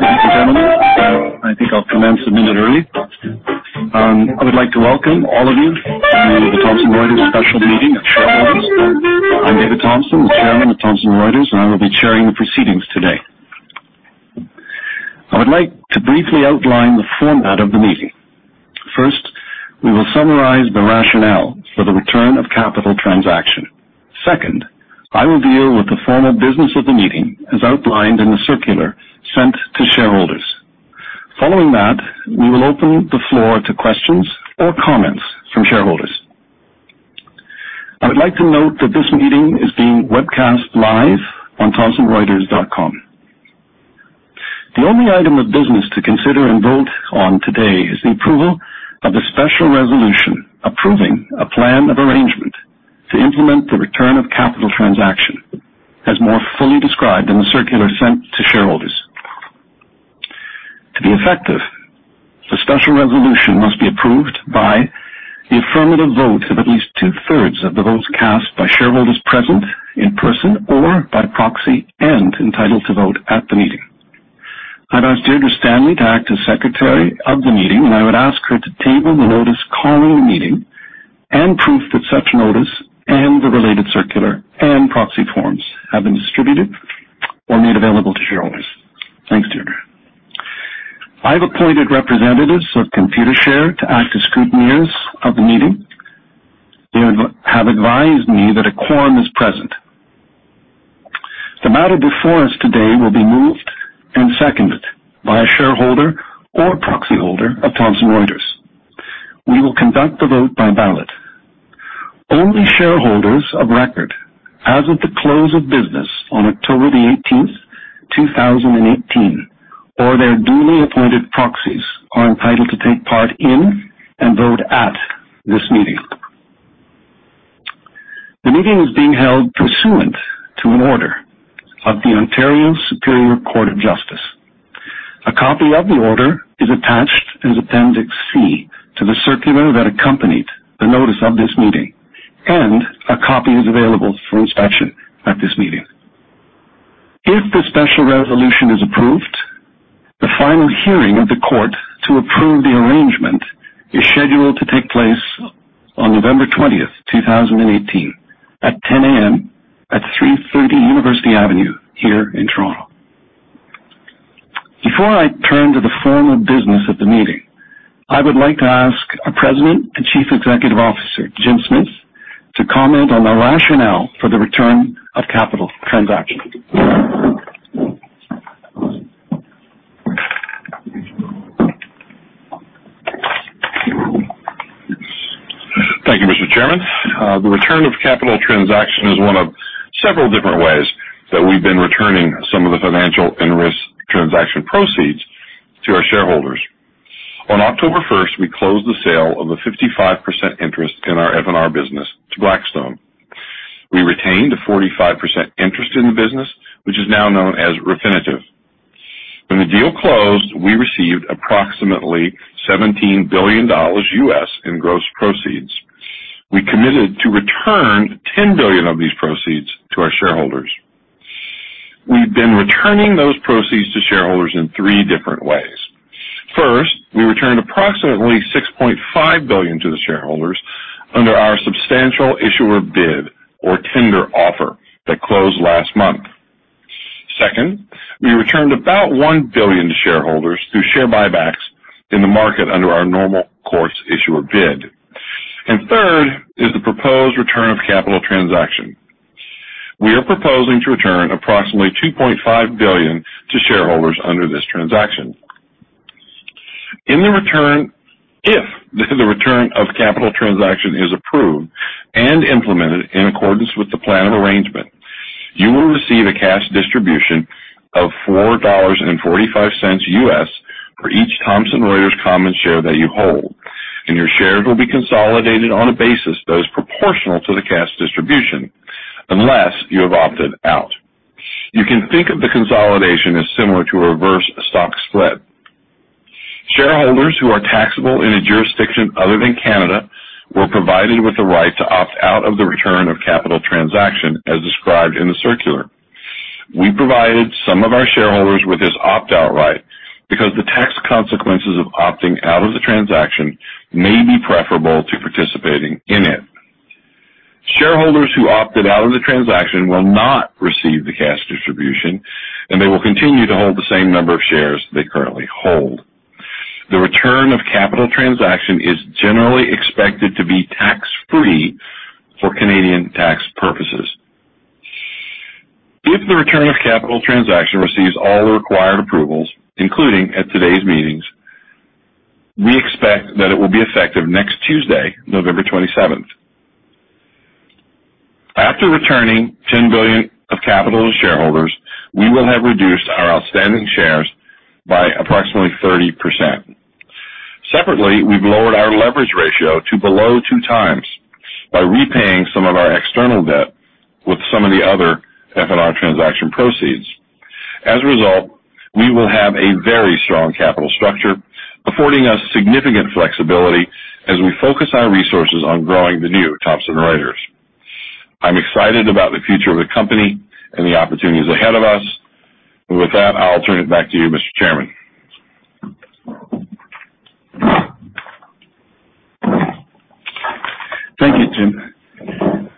Thank you, gentlemen. I think I'll come in a minute early. I would like to welcome all of you to the Thomson Reuters Special Meeting of Shareholders. I'm David Thomson, the chairman of Thomson Reuters, and I will be chairing the proceedings today. I would like to briefly outline the format of the meeting. First, we will summarize the rationale for the Return of Capital Transaction. Second, I will deal with the formal business of the meeting, as outlined in the circular sent to shareholders. Following that, we will open the floor to questions or comments from shareholders. I would like to note that this meeting is being webcast live on thomsonreuters.com. The only item of business to consider and vote on today is the approval of the Special Resolution approving a Plan of Arrangement to implement the Return of Capital Transaction, as more fully described in the circular sent to shareholders. To be effective, the Special Resolution must be approved by the affirmative vote of at least two-thirds of the votes cast by shareholders present in person or by proxy and entitled to vote at the meeting. I've asked Deirdre Stanley to act as secretary of the meeting, and I would ask her to table the notice calling the meeting an d proof that such notice and the related circular and proxy forms have been distributed or made available to shareholders. Thanks, Deirdre. I've appointed representatives of Computershare to act as scrutineers of the meeting. They have advised me that a quorum is present. The matter before us today will be moved and seconded by a shareholder or proxy holder of Thomson Reuters. We will conduct the vote by ballot. Only shareholders of record, as of the close of business on 18th October 2018, or their duly appointed proxies are entitled to take part in and vote at this meeting. The meeting is being held pursuant to an order of the Ontario Superior Court of Justice. A copy of the order is attached as Appendix C to the circular that accompanied the notice of this meeting, and a copy is available for inspection at this meeting. If the Special Resolution is approved, the final hearing of the court to approve the arrangement is scheduled to take place on 20th November 2018, at 10:00AM at 330 University Avenue here in Toronto. Before I turn to the formal business of the meeting, I would like to ask our President and Chief Executive Officer, Jim Smith, to comment on the rationale for the Return of Capital Transaction. Thank you, Mr. Chairman. The Return of Capital Transaction is one of several different ways that we've been returning some of the Financial & Risk transaction proceeds to our shareholders. On 1st October, we closed the sale of a 55% interest in our F&R business to Blackstone. We retained a 45% interest in the business, which is now known as Refinitiv. When the deal closed, we received approximately $17 billion in gross proceeds. We committed to return $10 billion of these proceeds to our shareholders. We've been returning those proceeds to shareholders in three different ways. First, we returned approximately $6.5 billion to the shareholders under our Substantial Issuer Bid or tender offer that closed last month. Second, we returned about $1 billion to shareholders through share buybacks in the market under our Normal Course Issuer Bid. And third is the proposed Return of Capital Transaction. We are proposing to return approximately $2.5 billion to shareholders under this transaction. If the Return of Capital Transaction is approved and implemented in accordance with the Plan of Arrangement, you will receive a cash distribution of $4.45 U.S. for each Thomson Reuters common share that you hold, and your shares will be consolidated on a basis that is proportional to the cash distribution unless you have opted out. You can think of the consolidation as similar to a reverse stock split. Shareholders who are taxable in a jurisdiction other than Canada were provided with the right to opt out of the Return of Capital Transaction as described in the circular. We provided some of our shareholders with this opt-out right because the tax consequences of opting out of the transaction may be preferable to participating in it. Shareholders who opted out of the transaction will not receive the cash distribution, and they will continue to hold the same number of shares they currently hold. The Return of Capital Transaction is generally expected to be tax-free for Canadian tax purposes. If the Return of Capital Transaction receives all the required approvals, including at today's meetings, we expect that it will be effective next Tuesday, 27th November. After returning $10 billion of capital to shareholders, we will have reduced our outstanding shares by approximately 30%. Separately, we've lowered our leverage ratio to below two times by repaying some of our external debt with some of the other F&R transaction proceeds. As a result, we will have a very strong capital structure, affording us significant flexibility as we focus our resources on growing the new Thomson Reuters. I'm excited about the future of the company and the opportunities ahead of us. With that, I'll turn it back to you, Mr. Chairman. Thank you, Jim.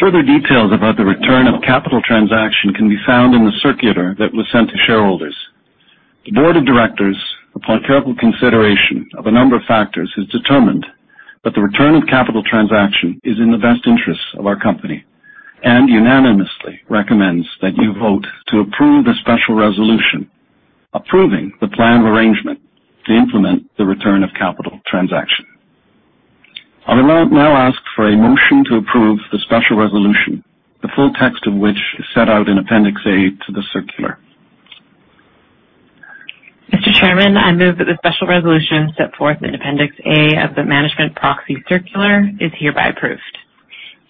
Further details about the Return of Capital Transaction can be found in the circular that was sent to shareholders. The Board of Directors, upon careful consideration of a number of factors, has determined that the Return of Capital Transaction is in the best interests of our company and unanimously recommends that you vote to approve the Special Resolution approving the Plan of Arrangement to implement the Return of Capital Transaction. I will now ask for a motion to approve the Special Resolution, the full text of which is set out in Appendix A to the circular. Mr. Chairman, I move that the Special Resolution set forth in Appendix A of the Management Proxy Circular is hereby approved.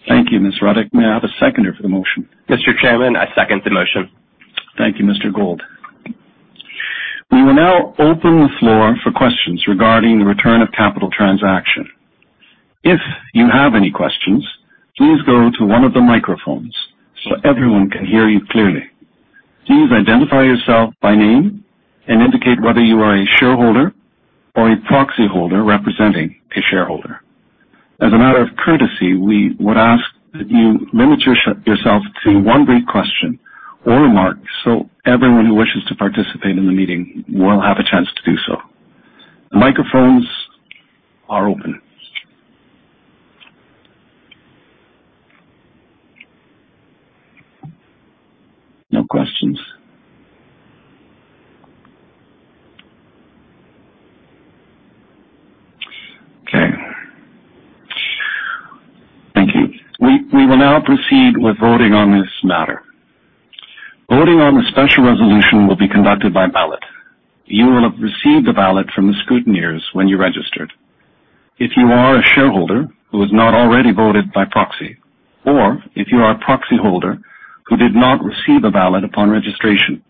Thank you, Ms. Ruddick. May I have a seconder for the motion? Mr. Chairman, I second the motion. Thank you, Mr. Gould. We will now open the floor for questions regarding the Return of Capital Transaction. If you have any questions, please go to one of the microphones so everyone can hear you clearly. Please identify yourself by name and indicate whether you are a shareholder or a proxy holder representing a shareholder. As a matter of courtesy, we would ask that you limit yourself to one brief question or remark so everyone who wishes to participate in the meeting will have a chance to do so. The microphones are open. No questions? Okay. Thank you. We will now proceed with voting on this matter. Voting on the Special Resolution will be conducted by ballot. You will have received a ballot from the scrutineers when you registered. If you are a shareholder who has not already voted by proxy, or if you are a proxy holder who did not receive a ballot upon registration,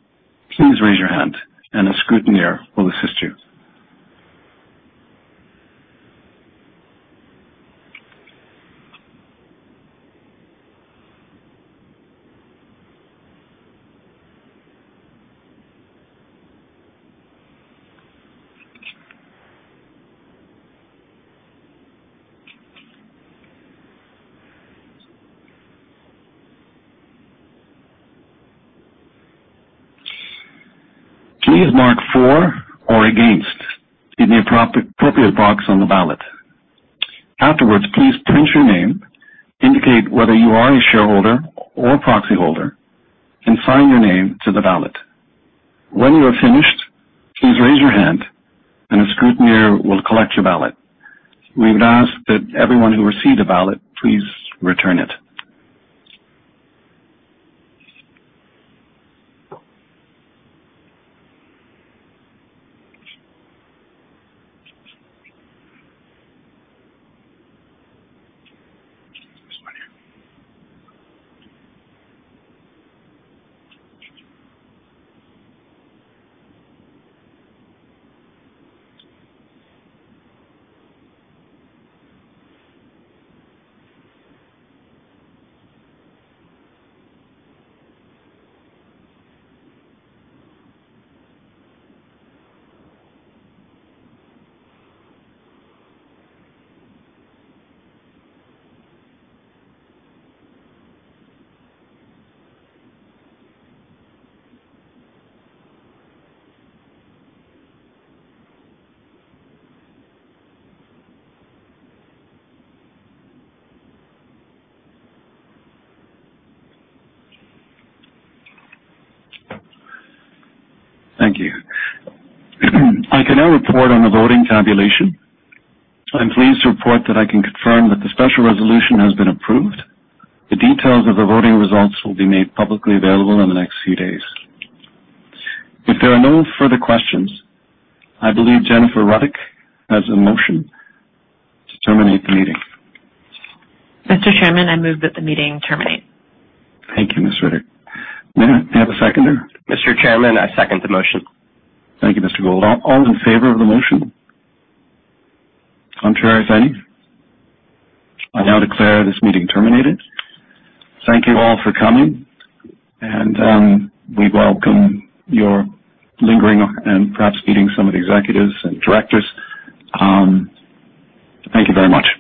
please raise your hand, and a scrutineer will assist you. Please mark for or against in the appropriate box on the ballot. Afterwards, please print your name, indicate whether you are a shareholder or proxy holder, and sign your name to the ballot. When you are finished, please raise your hand, and a scrutineer will collect your ballot. We would ask that everyone who received a ballot please return it. Thank you. I can now report on the voting tabulation. I'm pleased to report that I can confirm that the Special Resolution has been approved. The details of the voting results will be made publicly available in the next few days. If there are no further questions, I believe Jennifer Ruddick has a motion to terminate the meeting. Mr. Chairman, I move that the meeting terminate. Thank you, Ms. Ruddick. May I have a seconder? Mr. Chairman, I second the motion. Thank you, Mr. Gould. All in favor of the motion? Contrary, if any? I now declare this meeting terminated. Thank you all for coming, and we welcome your lingering and perhaps meeting some of the executives and directors. Thank you very much.